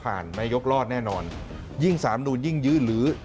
พาณธุ์นายกรอดแน่นอนยิ่งสารธรรมดูลยิ่งยื้อหรือ